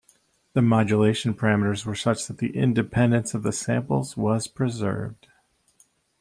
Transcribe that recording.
The modulation parameters were such that the independence of the samples was preserved.